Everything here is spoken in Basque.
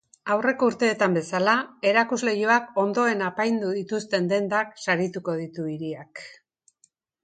Aurreko urteetan bezalaxe, erakusleihoak hobeto apaindu dituzten dendak sarituko ditu hiriak.